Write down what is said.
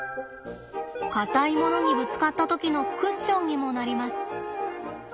硬いものにぶつかった時のクッションにもなります。